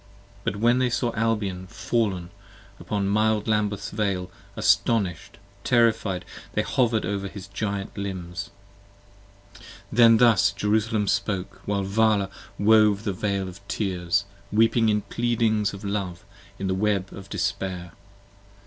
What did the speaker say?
p. 20 BUT when they saw Albion fall'n, upon mild Lambeth's vale: Astonish'd, Terrified, they hover'd over his Giant limbs. Then thus Jerusalem spoke, while Vala wove the veil of tears: Weeping in pleadings of Love, in the web of despair.